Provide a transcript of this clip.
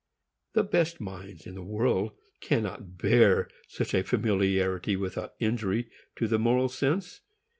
The best minds in the world cannot bear such a familiarity without injury to the moral sense.